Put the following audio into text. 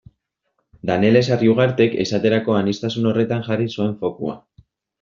Danele Sarriugartek esaterako aniztasun horretan jarri zuen fokua.